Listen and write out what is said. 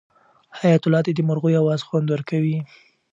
حیات الله ته د مرغیو اواز خوند ورکوي.